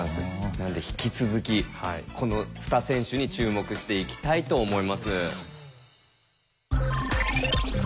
なので引き続きこの２選手に注目していきたいと思います。